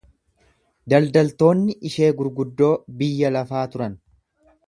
Daldaltoonni ishee gurguddoo biyya lafaa turan.